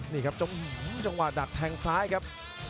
นี่ครับจังหวะดักแทงซ้ายครับ